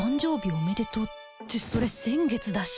おめでとうってそれ先月だし